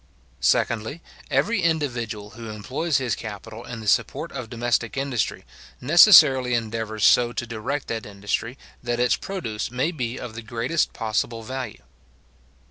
Secondly, every individual who employs his capital in the support of domestic industry, necessarily endeavours so to direct that industry, that its produce may be of the greatest possible value.